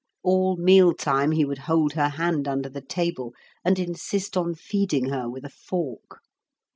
All meal time he would hold her hand under the table and insist on feeding her with a fork.